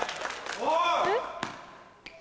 おい！